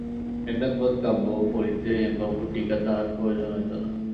মেঘনাদবধ কাব্য পড়িতে হেমবাবুর টীকা তাহার প্রয়োজন হইত না।